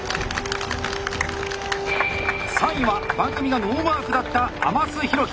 ３位は番組がノーマークだった浜洲祐基。